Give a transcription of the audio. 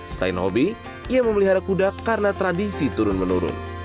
selain hobi ia memelihara kuda karena tradisi turun menurun